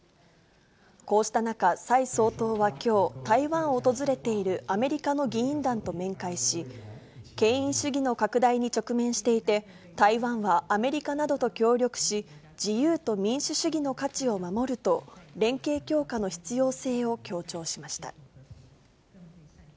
こうした中、蔡総統はきょう、台湾を訪れているアメリカの議員団と面会し、権威主義の拡大に直面していて、台湾はアメリカなどと協力し、自由と民主主義の価値を守ると、連携強化の必要性を強調しました。